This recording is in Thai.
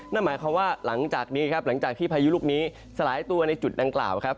นั่นหมายความว่าหลังจากนี้ครับหลังจากที่พายุลูกนี้สลายตัวในจุดดังกล่าวครับ